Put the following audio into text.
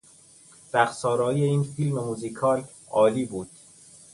رقص آرایی این فیلم موزیکال عالی بود.